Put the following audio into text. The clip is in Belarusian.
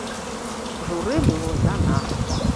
Журы было за нас.